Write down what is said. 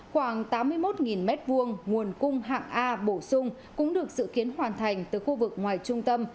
khoảng tám mươi một m hai nguồn cung hạng a bổ sung cũng được dự kiến hoàn thành từ khu vực ngoài trung tâm